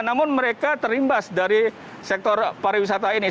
namun mereka terimbas dari sektor pariwisata ini